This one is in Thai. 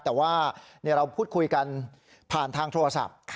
แต่ว่าเราพูดคุยกันผ่านทางโทรศัพท์